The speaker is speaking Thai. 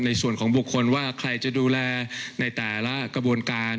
ในส่วนของบุคคลว่าใครจะดูแลในแต่ละกระบวนการ